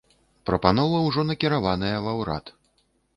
Прапанова ўжо накіраваная ва урад.